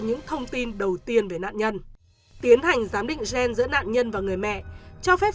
những thông tin đầu tiên về nạn nhân tiến hành giám định gen giữa nạn nhân và người mẹ cho phép